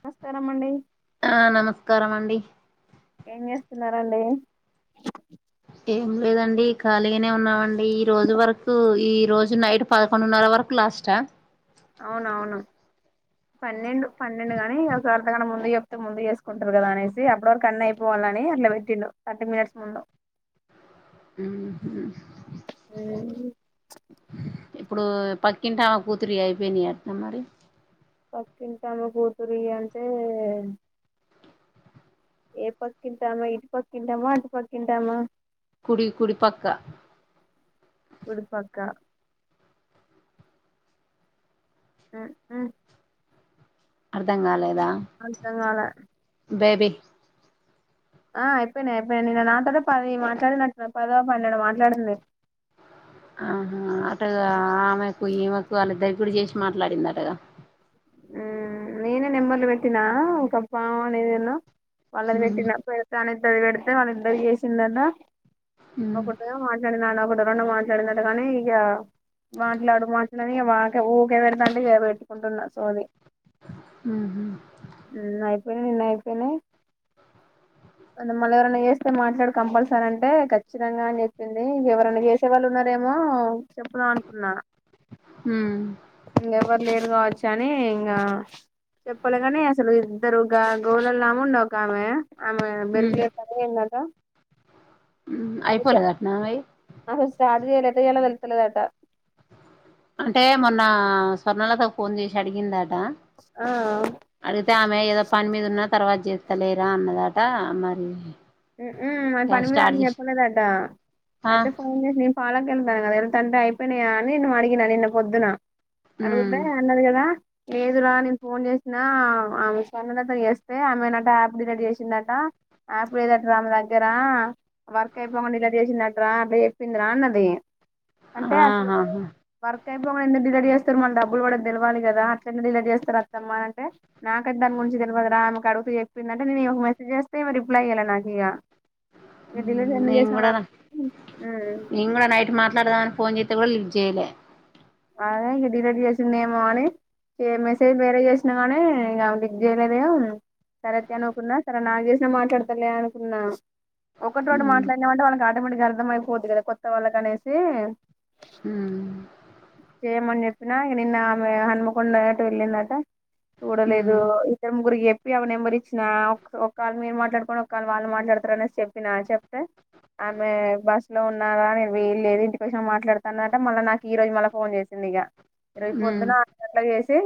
నమస్కారం అండి కారమండి ఏం చేస్తున్నారండి ఏం లేదండి ఖాళీగానే ఉన్నామండి ఈ రోజు వరకు ఈ రోజు నైట్ పదకొండున్నర వరకు లాస్ట అవునవును పన్నెండు పన్నెండు గానీ ఒక అర్ధ గంట ముందు చెప్ ముందు చేసుకుంటారు కదా అనేసి అప్పుడు వరకు అన్ని అయిపోవాలని అట్లా పెట్టిండు థర్టీ మినిట్స్ ముందు ఉహు [unintelligible] ఇప్పుడు పక్కింటా ఆమె కూతురి అయిపోయినయి అటన మరి పక్కింటామా కూతురి ఇయ్ అంటే ఏ పక్కింటామా ఇటు పక్కింటామా అటు పక్కింటామా కుడి కుడి పక్క కుడిపక్క ఆ ఆ అర్ధం గాలేద్ అంత గాలే బేబీ ఆ అయిపోయినాయి అయిపోయినా నిన్న దాకా పది మాట్లాడినట్టు పదొ పన్నెండో మాట్లాడి ఉన్నాయి ఆహా అటు ఆమెకు ఈమెకు వాళ్ళ దగ్ గుడి చేసి మాట్లాడిందటగా ఉమ్ నేనే నెంబర్లు పెట్టినా ఒక [unintelligible] వాళ్ళది పెట్టిన పెడతా అని [unintelligible] తే వాళ్ళ అందరికీ చేసిందన్న ఒకటో ఏమో మాట్లాడి [unintelligible] రెండు మాట్లాడిందట కానీ ఇక మాట్లాడు మాట్లాడు ని మాకే ఊకె పెడుతంది రేపు పెట్టుకుంటున్న సోది ఉహు పోయినా నిన్న అయిపోయినాయి అ మళ్ళీ ఎవరైనా చేస్తే మాట్లాడు కంపల్సరీ అంటే ఖచ్చితంగా అని చెప్పింది ఇంక ఎవరైనా చేసే వాళ్ళు ఉన్నారేమో చెప్పుదాం అనుకున్నాను ఇంక ఎవరు లేరు రాజ్ అని ఇంగా చెప్పలే కాని అసలు ఇద్దరు గా గోళల్లమే ఉంది ఒక ఆమె ఆమె [inaudible] చదివిందట ఉ అయిపోలేదటన అమేయి [unintelligible] ఎట్లా చెయ్యాలో తెల్లుతలేదట అంటే మొన్న స్వర్ణలతకి ఫోన్ చేసి అడిగింద ట ఆ అడుగుతే ఆమె ఏదో పాని మీద ఉన్న తర్వాత చేస్తలేరా అన్నదట మరి ఉ ఉ అది ఇగ పనిమిద స్టార్ట్ అని చేసి చెప్పలేదట ఆ అయితే ఫోన్ చేసి నేను పాల కెల్ నా వెళ్తంటే అయిపోయినయ అని ను అడిగిన నిన్న పొద్దున ఉమ్ అడగుద్దె అన్నదిగదా లేదురా నేను ఫోన్ చేసిన ఆమె చిన్నత చేస్తే ఆమెనట యాప్ డినట్ చేసిందట యాప్ ఇప్పు లేదట్రా మా దగ్గర వర్క్ అయిపోకుండా ఇలా చేసిందట్రా అట్లా చెప్పిందిరా అన్నది అంటే అసలు ఆహా వర్ ఇ మన ఎంత డిలీ చేస్తారు మళ్ డబ్బు కూడా తెవాలి కదా అట్ ఎ లీ చేస్తారు అమ్మా అంట నాకైతే దా గురించి తెలియాలరా ఆమెకు అడుగుతు చెప్పింది అంటేను ఒక మెసేజ్ చేస్తే పలై ఎలా నాగయ ఉ నేను కూడా న నేను కూడా నైట్ మాట్లాడదామని ఫోన్ చే త విజయలే అలాదే ఇక డిలీట్ చేసింది ఏమో అని మెసేజ్ వేరే చేసిన గానీ ఇక లిక్ చేయలేదే సరతి అనునుకున్నా సరే నాకేసినా మాట్లాడతలే అనుకున్నా ఒకటి రోడు ఉమ్ మాట్లాడినామ అంట వాళ్ళ అడమడికి అర్థంమయిపోద్ది కదా కొత్త వాళ్ళ కనేసి హ చేయమని చెప్పినాక నిన్న ఆమె హనుమకొండ అటు వెళ్ళిందట ఉమ్ చూడలేదు ఇద్దరు ముగ్గురిగ చెప్తే అ నెంబర్ ఇచ్చినా ఒక కాల్ మీరు మాట్లాడుకొని ఒక కాల్ వాళ్ళు మాట్లాడతారు అనేసి చెప్పిన చెప్తే ఆమె బస్ లో ఉన్నారా నేను వీల్లేదు ఇంటికోచ్చినాక మాట్లాడతాన్నదట మళ్ళా నాకు ఈరోజు మళ్ళ ఫోన్ చేసింది ఇగ రేపు ఉమ్ పొద్దున ఆరు గంటల చేసి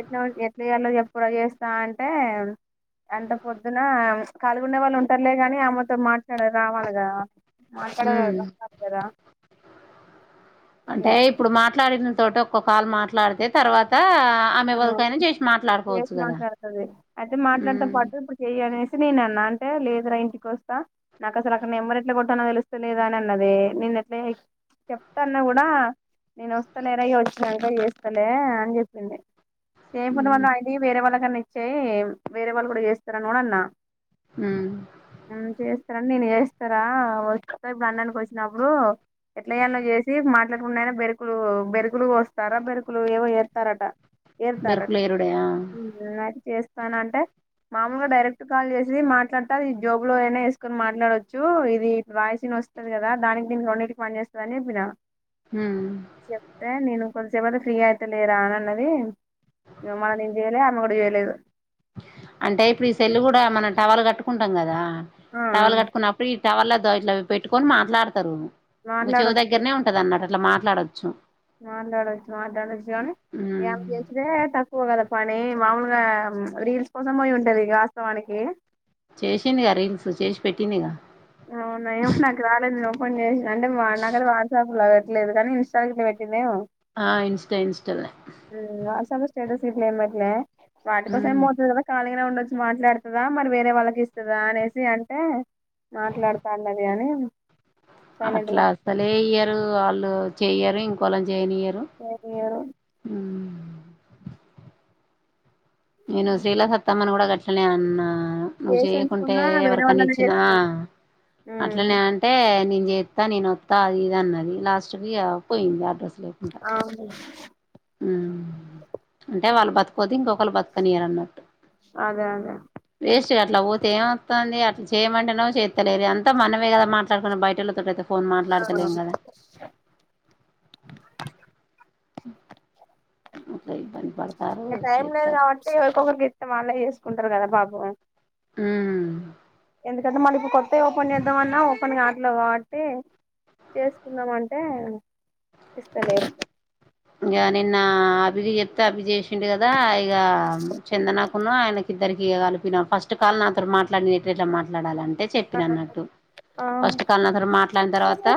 ఎట్లా ఎట్లాలో ఎప్పుడ చేస్తా అంటే అంత పొద్దున కల్గొనే వాళ్ళు ఉంటారులే ని అమ్మతో మాట్లాడారు రావాలుగా మాట్లాడ ఉమ్ [inaudible] దారా అంటే ఇప్పుడు మాట్లాడిన తోటి ఒక్క కాల్ మాట్లాడితే తర్వాత ఆమె ఆ ఎవరికైనా చేసి మాట్లాడుకోవచ్చు చేసి కదా మాట్లాడుతుంది అయితే మాట్లాడితే ఉమ్ పాటు ఇప్పుడు చెయ్య అనే నేను అన్నా అంటే లేదు రా ఇంటికొస్తా నాకు అసలు అక్కడ నెంమర్ ఎట్లా కొట్టాల్నొ తెలుస్తలేదా అని అన్నదే నేను ఎట్లా చెప్తా అన్నా కూడా నేను వస్తలేరా ఇక వచ్చి దాంట్లో చేస్తలే అని చెప్పింది సేమ్ ప ఉమ్ మళ్న ఐడి వేరే వాళ్ళ క చే వేరే వాళ్ళు కూడా చేస్తారని కూడా అన్నా ఉమ్ ఊ చేస్తారని నేను చేస్తా వస్తారా వ ఇప్పుడు అన్ననికి వచ్చినప్పుడు ఎట్లా ఏన్న చేసి మాట్లాడకుండాయినా బెరుకులు బెరుకులు వస్తారా బెరుకులు ఏవో ఏస్తారట ఏరుతారా బెరుకులేరుడే ఆ ఊ అది చేస్త తా అంటే మామూలుగా డైరెక్ట్ కాల్ చేసి మాట్లాడుత జోబ్ లో అయినా వేసుకొని మాట్లాడవచ్చు ఇది వాయిసని వస్తుంది కదా దానికి దీనికి రెండింటికి పని చేస్తుంది అని చెప్పినా ఉమ్ చెప్తే నేను కొ తర్వాత ఫ్రీ అయితలే రా అని అన్నది ఇగో మల్ల నేను చేయలే ఆమె కూడా చేయలేదు అంటే ఇప్పుడు ఈ సెల్లు కూడా మనం టవలు కట్టుకుంటాం కదా ఆ ఆ టవలు కట్టుకున్నప్పు ఇద్ టవర్లతో ఇట్లా పెట్టుకొని మాట్లాడతారు చెవు మాట్లాడొచ్చు దగ్గరనే ఉంటది అన్నట్ ఇట్లా మాట్లాడొచ్చు మాట్లాడొచ్చు మాట్లాడొచ్చు కానీ ఏం చేసే తక్కువ కదా పని మామూలుగా రీల్స్ కోసం పోయి ఉంటది వాస్తవానికి చేసిందిగా రీల్సు చేసి పెట్టిందిగా అవునయం నాకు రాలేదు ఫోన్ చేసింది అంటే మా నాకైతే వాట్సాప్ లా పెట్టట్లేదు కానీ ఇన్స్టాగ్లో పెట్టిందెం ఆ ఇన్స్టా ఇన్స్టాలే హ్ వాట్సాప్ లో స్టేటస్ గిట్లేమ్ పెట్లె వాటి కోసం ఏం పోతది కదా కాలీ నా ఉండొచ్చు మాట్లాడుతుందా మరి వేరే వాళ్ళకి ఇస్తదా అనేసి అంటే మాట్లాడతారున్నది కాని అట్లా అసలే అయ్యరు వాళ్ళు చెయ్యరు ఇంకా పలం చేయనియ్యారు పోనియ్యరు ఉమ్ నేను శ్రీల సత్తమ్మన కూడా దక్షణ అన్నా నువ్వు చేసి చేయకుంటే ఉంచుకున్నా వేరే ఎవరికని వాళ్ళనే ఇచ్చినా చేసుకున్నా అట్లనే అంటే నిను చేస్తా నేనొస్తా అది ఇది అన్నది లాస్ట్ కి పోయింది అడ్రస్ అవును అంటే వాళ్ళు బతుకదు ఇంకొకళ్ళు బతుకనియ్యరు అన్నట్టు అదే అదే ఏమవుతుంది అట్లా చేయమంటేవో చేస్తలేదు అంతా మనమే కదా మాట్లాడుకుని బయటోళ్లతోటి అయితే ఫోన్ మాట్లాడతలేం కదా అ మళ్ళ ఇబ్బంది పడుతూ ఇంకా టైం లేదు కాబట్టి ఎవరికొకరికి ఇత్తం వాళ్లే చేసు కుంటారు కదా పాపం ఉమ్ ఎందుకంటే మళ్ళీ ఇప్పుడు కొత్తవి ఓపెన్ చేద్దామన్నా ఓపెన్ కావట్లే కాబట్టి చేసుకుందాం అంటే ఇస్తలే ఇంకా నిన్న అభికి చెప్తే అభి చేసిండు కదా ఇగ చందన ఆయనకిద్దరికి కలిపిన ఫస్ట్ కాల్ నాతో మాట్లాడిన ఎట్ ఎట్లా మాట్లాడాలింటే చెప్పిన అన్నట్టు ఆ ఫస్ట్ కాల్ నాతోని మాట్లాడిన తర్వాత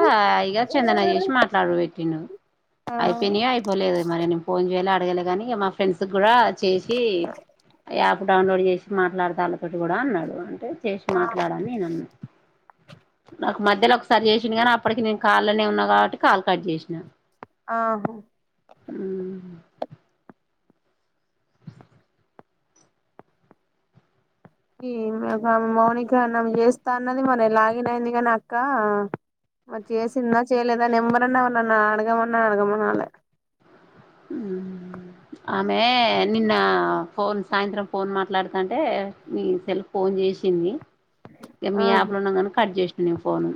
చందనా చేసి మాట్లాడు పెట్టి ఆ అ అయిపోలేదు మరి నేను ఫోన్ చేయాలి అడగాలే కాగా మా ఫ్రెండ్స్ కూడా చేసి యాప్ డౌన్లోడ్ చేసి మాట్లాడుత వాళ్ళతోటి కూడా అన్నాడు చేసి ఆ మాట్లాడను నేను అన్నా నాకు మధ్యలో ఒకసారి చేసిండు గానీ అప్పటికి నేను కాల్ నే ఉన్నా కాబట్టి కాల్ కట్ చేసినా ఆహు ఈ మా మా మౌనిక మోన్న చేస్తా అన్నది మన లాగిన్ అయింది కాని అక్క మరి చేసిందా చేయలేదా నెంబర్ న్న ఎవన్నా అడగమన్నా అడగమను అన్నది ఆమె నిన్న ఫోన్ సాయంత్రం ఫోన్ మాట్లాడుతంటే నీ సెల్ ఫోన్కు చేసింది ఆ మీ యాప్ లో ఉన్నాగా కట్ చేసింది అ ఫోను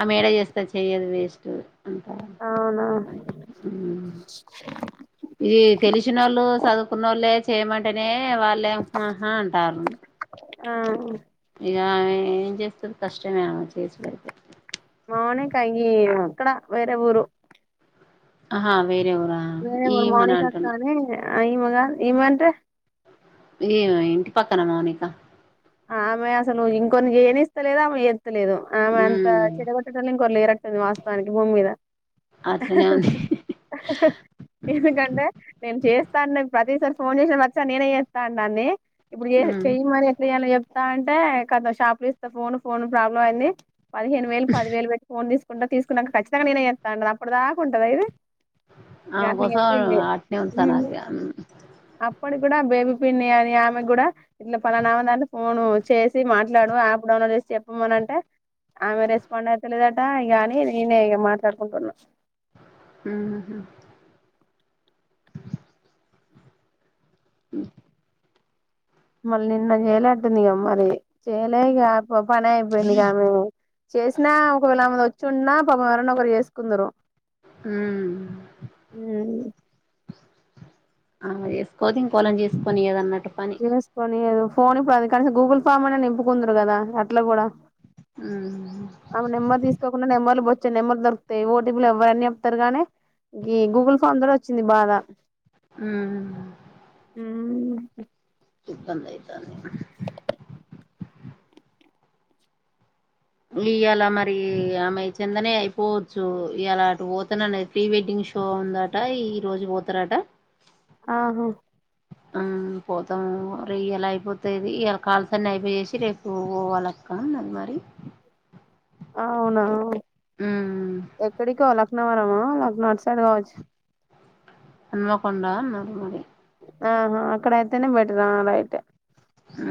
ఆమే ఏడ చేస్తాది చెయ్యదు వేస్ట్ అంత అవునా ఇది తెలిసిన వోళ్ళు చదువుకున్న వోళ్ళే చేయమంటేనే వాళ్లేం హ హా అంటారు ఆ ఇక ఏం చేస్తది కష్టమే ఆమె చేసుడు అయితే [unintelligible] అక్కడ వేరే ఊరు ఆహా వేరేవరా ఈమే ను అని అంటున్న ఆ ఈమే కాదు ఈమే ఈమె అంటే ఈమే ఇంటి పక్కన మౌనిక ఆ ఆమె అసలు ఇంకొరీ చేయ ఇస్తలేదా ఆమె చెత్త లేదు ఆమె అంత ఉమ్ చెడ కొట్టం ఇంకొరలే ఇ వాస్తవానికి భూమి మీద అట్లనే ఉంది ఎందుకంటే నేను చేస్తా ప్రతిసారీ ఫోన్ చేసేది వచ్చా నేనే చేస్తా అన్న నే ఇప్పుడు ఉమ్ చెయ్యి మరి చెప్తా అంటే క షాప్లు ఇస్తా ఫోన్ ఫోన్ ప్రాబ్లమ్ అయింది పదిహేను వేలు పదివేలు బెట్టి ఫోను తీసు కు తీసుకున్నాక ఖచ్చితంగా నేనే చేస్తాను అన్నది అప్పటి దాకా ఉంటద ఇది ఇగ ఆమే అట్లా కోసం చెప్పింది అట్నే ఉంచనాలె ఇగ పడి కూడా బేబీ పిన్ని అని ఆమె కూడా ఇట్లా పలానామా ఆమ్ దాన్ని ఫోను చేసి మాట్లాడు యాప్ డౌన్లోడ్ చేసి చెప్పమని అంటే ఆమె రెస్పాండ్ అయితలేదట ఇగ అని నేనే ఇగ మాట్లాడుకుంటున్నా మ్ హు అ మళ్ళీ నిన్న చేయలే అంటుంది మరి చేయలే ఇగ ఒక పని అయిపోయింది ఇక ఆమె చేసినా ఒకవేళ ఆమె ది సున్నా పాపం ఎవరన్నా ఒకరు చేసుకుందూరు హు ఆమే చేసుకోదు ఇంకోగలను చేసుకోనియ్యాదన్నట్టు చేస్కోనియ్యదు ఫోన్ ఇప్పుడు అంది కానీ గూగుల్ ఫామ్ అన్న నింపుకుందును కదా అట్లా కూడా ఉమ్ ఆ నెంబర్ తీసుకోకుంన్న నెంబర్లు బో చిగ నెంబర్లు ర్ దొకుతాయి ఓటీపిలు ఎవ్వరైని చెప్తారు గాని ఈ గూగుల్ ఫామ్ తోటి వచ్చింది బాధా మ్ ఇబ్బందాయితంది ఇయ్యలా మరి ఆమె చెందనేయి అయిపోవచ్చు ఇయ్యలా అటు పోతననేది ప్రీ వెడ్డింగ్ షో ఉందట ఈ రోజు పోతారట ఆహా ఆ పోతాము రే ఇయ్యలా అయిపోతాది ఇయ్యలా కాల్సన్ని అయిపోచెసి రేపు పోవాల అక్క అన్నది మరి అవునా ఉమ్ ఎక్కడిీ కల్ అక్ క్నవరమా లక్న అట్ సైడ్ కావచ్చు హన్మకొండ అన్నారు మరే ఆహా అక్కడ అయితేనే బెటర్ ఆ రైటే హు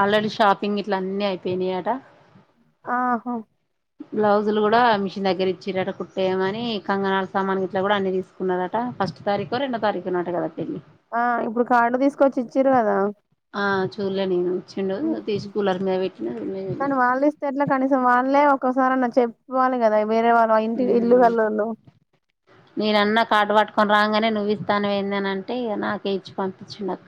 ఆల్రెడీ షాపింగ్ గిట్ల అన్నీ అయిపోయినాయట ఆహో బ్లౌజులు కూడా మిషిన్ దగ్గర ఇచ్చిరట కుట్టేయమని కంగనాల్ సామాన్ గిట్లా కూడా అన్ని తీసుకున్నాదట ఫస్ట్ తారీకొ రెండో తారీకొ నట కదా పెళ్ళి ఆ ఇప్పుడు కార్డు తీసుకొచ్చి ఇచ్చిర్రు కదా ఆ చూడలే నేను ఇచ్చిండు తీసి కూలర్ మీద పెట్టిన లేదు కానీ లేదు. వాళ్ళు ఇస్తే ఎట్లా కనీసం వాళ్ళే ఒసారన్నచ్ చెప్పాలి కదా వేరే వాళ్లమా ఇంటి ఇల్లు ఉమ్ కళ్ళోళ్ళు నేనన్న కార్డు పట్టుకొని రాగానే నువ్వు ఇత్తనవెందీ అని అంటే ఇగ నాకే ఇచ్చి పంపించిండు అక్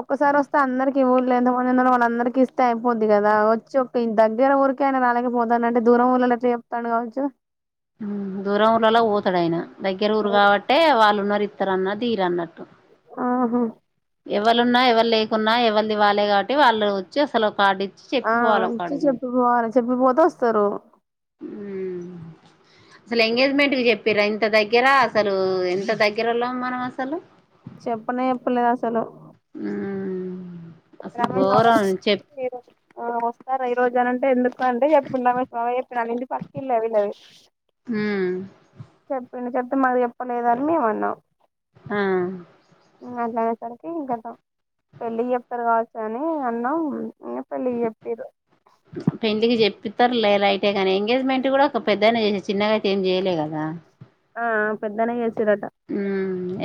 ఒక్కసారి వస్తే అందరికి ఊళ్ళ ఎంత మంది ఉన్నరో వాళ్ళందరికి ఇస్తే అయిపోద్ది కదా వచ్చి ఒక దగ్గర ఊరికి ఆయిన రాలేకపోతండంటే దూరంఊళ్ళళ్ళ ఎట్ల చెప్తాడు కావచ్చు దూరం ఊరళ్లళ్లకు పోతాడయన దగ్గర ఊరు కాబట్టే వాళ్ళు ఉన్న రితరన్న దిీర అన్నట్టు ఆహా ఎవ్వలున్న ఎవల్లేకున్నా ఎవ్వాలద్ది వాళ్ళే కాబట్టి వాళ్ళు వచ్చి అసలు ఒ కార్డు ఇచ్చి ఆ చెప్పిపోవాలి ఒక ఇచ్చి అడుగు చెప్పి పోవాలే చెప్పిపోతే ఒస్తారు హు అసలు ఎంగేజ్మెంట్ కి చెప్పరాా ఇంత దగ్గర అసలు ఎంత దగ్గరోల్లం మనం అసలు చెప్పనే చెప్పలేదు అసలు అసలు రమేష్ బాబాయ్ ఘోరం చెప్ [unintelligible] వస్తార రోజనంటే ఎందుకు అంటే చెప్పిండు ఆమె [unintelligible] ఇంటి పక్కిళ్లే వీళ్లది చెప్పిండు చెప్ మక్ చెప్పలేదని మిమన్నం ఆ సరికి కతం పెళ్ళికి చెప్ తరు కావచ్చని అన్నం ఇంగ పెళ్ళి చెప్పిర్రు పెండ్లికి జెప్పిత్తార్ లే రైటే గానీ ఎంగేజ్మెంట్ గూడా ఒక పెద్దనే చేసేది చిన్నగైతే ఏం చేయలే కదా. ఆ పెద్దనే జేస్. తిర్రట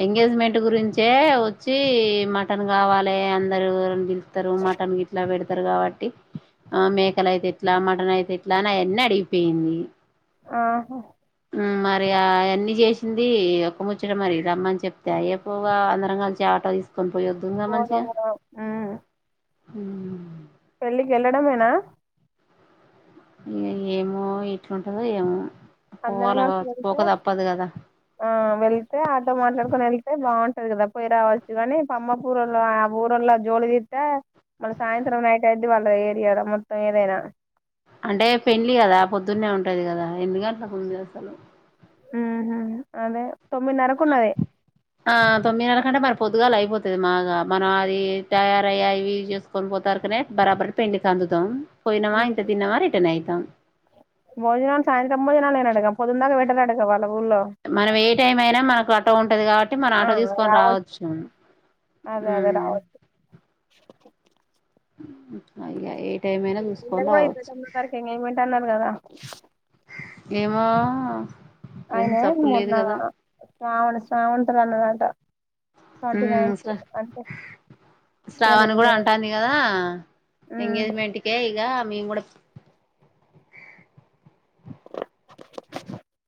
ఎంగేజ్మెంట్ గురించే వచ్చి మటన్ కావాలే అందరు ఎవర్ పిల్ తారు మటన్ గిట్లా పెడ్ తరు కావట్టి ఆ మేకలైతెట్లా మటనైతెట్లా అని అయన్నీ అడిగిపోయ్ంది. ఆహా ఉమ్ మరి ఆ అయన్నీ జేషింది ఒ. పముచ్చట మరి రమ్మన్ చెప్తే అయ్యేపోగా అందరం గల్సి ఆటోదీస్. కన్పొయుద్దుంగా మంచిగా. పోదాం మ్మ్ హ పెళ్ళికి యెళ్ళడమేనా. ఎ ఏమో ఎట్లుంటందో ఏమో. అందరం పోవాలి గల్సి కావచ్చు వెళ్తే పోక తప్పదు కదా ఆ వెళ్తే ఆటో మాట్లాడుకొనెళ్తే బాగు. టది కదా పొయ్ రావచ్చు అని సమ్మకూరొల్ల ఆ ఊరల్ల జోలిదీత్తే మళ్ళ సాయంత్రం నైట్ ఐద్ది వాళ్ళు ఏరియాల మొత్తం ఏదైనా. అంటే పెండ్లి గదా పొద్దున్నే ఉంటది గదా ఎన్ని గంట్లకుందో అసలు. ఉమ్ హూ అదే. తొమ్మిదిన్నరకు ఉన్నది ఆ తొమ్మిన్నర కంటే మర్. పొద్దుగాలైపోతది మాగా మనం అది టయారయ్య అవి ఇవి జేస్కొని పోతార్ కనే బరాబర్ పెండ్లికందుతాం. ఉమ్ భోజనాల్ సాయంత్రం బోజనాలేనంటగా పొద్దున్ దాక వె. ట్టరంటగా వాల్ మనం ఏ టైమైనా మనకు అటో ఉంటది కావట్టి మన ఆటో దీస్కొని రావచ్చు అదే అదే ఉమ్. రావచ్చు ఉమ్ అయ్య ఏ టేమైనా జూస్కొని వీళ్ళది కూడా ఇరవై రావచ్చు తొమ్మిది వరకు ఎంగేజ్మెంట్ అన్నారు కదా ఏమో. అఫ్ ఆయ్నే మ్ శ్రావణ శ్రావణ్ తోడన్నడంట. ఉమ్ శ్ర ఇయాల శ్రావణి ఇరవై గూడంటాంది కదా ఉమ్ ఎంగేజ్మెంట్కే ఇగ. మేమ్ గుడ